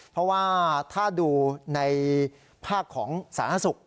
เพราะว่าถ้าดูในภาคของสาธารณสุข